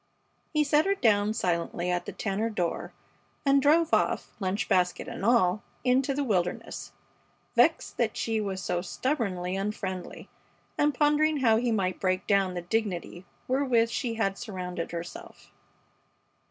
He set her down silently at the Tanner door and drove off, lunch basket and all, into the wilderness, vexed that she was so stubbornly unfriendly, and pondering how he might break down the dignity wherewith she had surrounded herself.